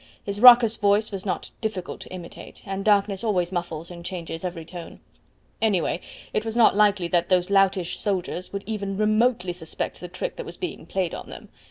His raucous voice was not difficult to imitate, and darkness always muffles and changes every tone. Anyway, it was not likely that those loutish soldiers would even remotely suspect the trick that was being played on them.